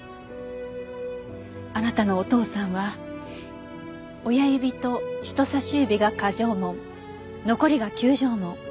あなたのお父さんは親指と人差し指が渦状紋残りが弓状紋。